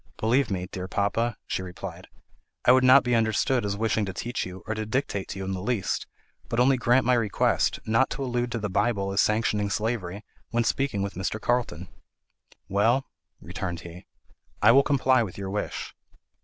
"Believe me, dear papa," she replied, "I would not be understood as wishing to teach you, or to dictate to you in the least; but only grant my request, not to allude to the Bible as sanctioning slavery, when speaking with Mr. Carlton." "Well," returned he, "I will comply with your wish."